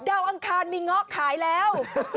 อังคารมีเงาะขายแล้ว